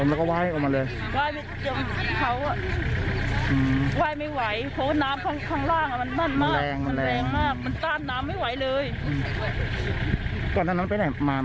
มาจากรังหวายก็ตั้งใจจะไปรับพี่สาว